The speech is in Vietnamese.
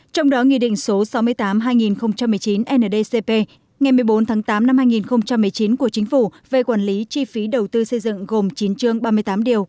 trong đó nghị định số sáu mươi tám hai nghìn một mươi chín ndcp ngày một mươi bốn tháng tám năm hai nghìn một mươi chín của chính phủ về quản lý chi phí đầu tư xây dựng gồm chín chương ba mươi tám điều